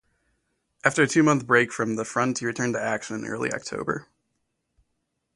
After a two-month break from the front he returned to action in early October.